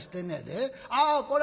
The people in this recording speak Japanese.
『ああこら